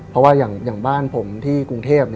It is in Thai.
เพราะว่าอย่างบ้านผมที่กรุงเทพ